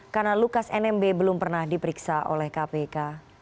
karena lukas nmb belum pernah diperiksa oleh kpk